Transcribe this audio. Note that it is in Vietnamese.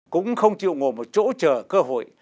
cũng không chịu ngồi một chỗ chờ cơ hội